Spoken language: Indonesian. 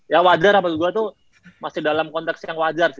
ya wajar apa gue tuh masih dalam konteks yang wajar sih